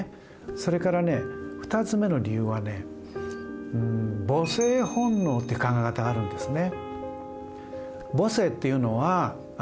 それからね２つ目の理由はね母性本能っていう考え方があるんですね。